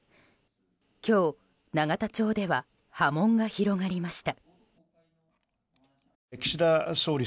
今日、永田町では波紋が広がりました。